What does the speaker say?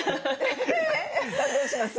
さあどうします？